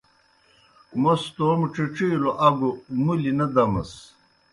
موْس توموْ ڇِڇِلیوْ اگوْ مُلیْ نہ دمَس۔